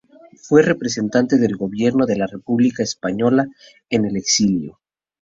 Fue presidente del Gobierno de la República española en el exilio.